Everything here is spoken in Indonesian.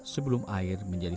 sebelum air menjadi